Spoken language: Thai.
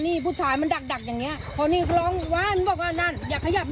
มีข้อมือสองบาทแล้วข้อคอสามบาท